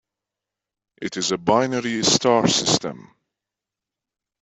It is a binary star system.